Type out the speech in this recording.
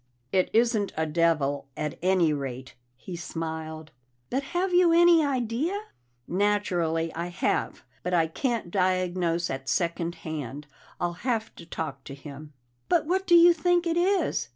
"It isn't a devil, at any rate," he smiled. "But have you any idea?" "Naturally I have, but I can't diagnose at second hand. I'll have to talk to him." "But what do you think it is?"